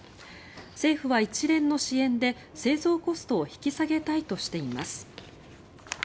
政府は一連の支援で製造コストを引き下げたいとしています。